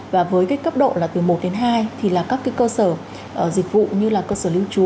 và với cái cấp độ là từ một đến hai thì là các cái cơ sở dịch vụ như là cơ sở lưu trú